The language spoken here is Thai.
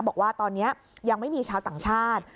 บอกว่าตอนนี้ยังไม่มีชาวต่างชาติ